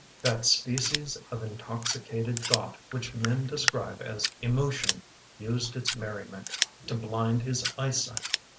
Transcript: That species of intoxicated thought Which men describe as emotion Used its merriment to blind his eye sight.